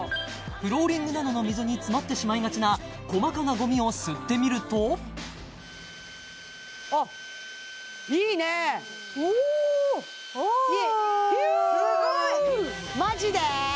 フローリングなどの溝に詰まってしまいがちな細かなゴミを吸ってみるとあっいいねおすごいマジで？